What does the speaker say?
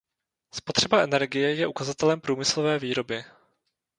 Spotřeba energie je ukazatelem průmyslové výroby.